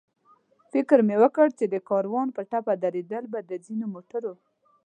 فکر مې وکړ چې د کاروان په ټپه درېدل به د ځینو موټرو.